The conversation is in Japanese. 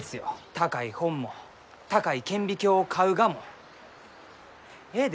高い本も高い顕微鏡を買うがもえいです。